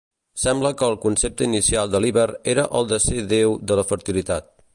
Sembla que el concepte inicial de Líber era el de ser déu de la fertilitat.